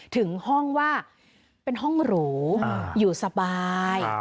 ถึงห้องว่าเป็นห้องหรูอยู่สบาย